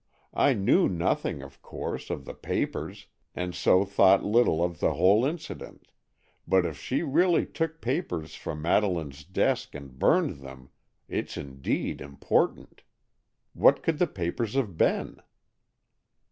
I knew nothing, of course, of the papers, and so thought little of the whole incident, but if she really took papers from Madeleine's desk and burned them, it's indeed important. What could the papers have been?"